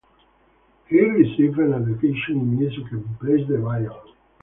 He received an education in music and plays the violin.